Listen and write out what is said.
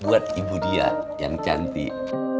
buat ibu dia yang cantik